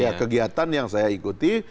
ya kegiatan yang saya ikuti